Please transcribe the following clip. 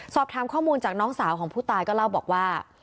สอบถามข้อมูลจากน้องสาวของผู้ตายก็เล่าบอกว่า